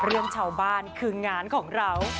เรื่องชาวบ้านคืองานของเรา